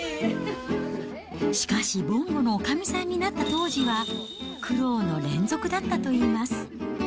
しかし、ぼんごのおかみさんになった当時は、苦労の連続だったといいます。